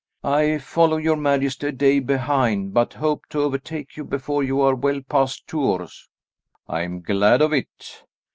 "I follow your majesty a day behind, but hope to overtake you before you are well past Tours." "I am glad of it.